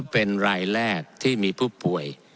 เป็นรายแรกที่มีผู้ป่วย